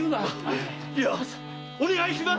お願いします！